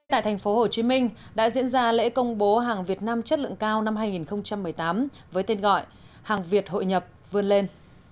tại thành phố hồ chí minh đã diễn ra lễ công bố hàng việt nam chất lượng cao năm hai nghìn một mươi tám với tên gọi hàng việt hội nhập vươn lên